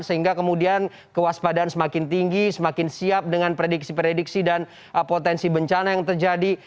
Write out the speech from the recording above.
sehingga kemudian kewaspadaan semakin tinggi semakin siap dengan prediksi prediksi dan potensi bencana yang terjadi